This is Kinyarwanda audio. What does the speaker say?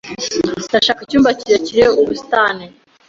Ndashaka icyumba kireba ubusitani.